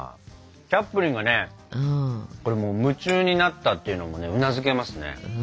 チャップリンがねこれもう夢中になったっていうのもねうなずけますね。